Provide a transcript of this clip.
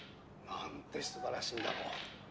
「なんて素晴らしいんだろう」